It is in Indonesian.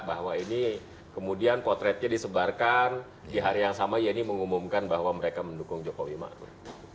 bahwa ini kemudian potretnya disebarkan di hari yang sama ini mengumumkan bahwa mereka mendukung jokowi ma'ruf